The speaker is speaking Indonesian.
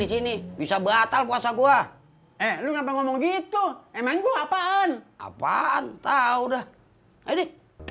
di sini bisa batal puasa gua eh lu ngomong gitu emang gua apaan apaan tahu udah ini